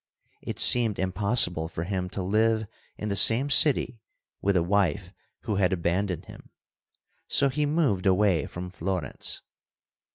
It seemed impossible for him to live in the same city with a wife who had abandoned him, so he moved away from Florence.